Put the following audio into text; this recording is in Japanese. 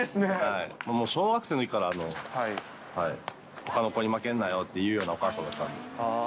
もう小学生のときから、ほかの子に負けんなよというようなお母さんだったんで。